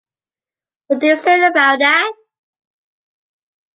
What do you say about that?